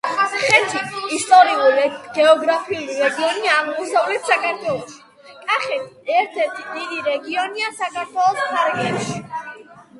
ხეთი — ისტორიულ-გეოგრაფიული რეგიონი აღმოსავლეთ საქართველოში. კახეთი ერთ-ერთი დიდი რეგიონია საქართველოს ფარგლებში.